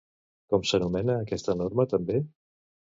Com s'anomena aquesta norma també?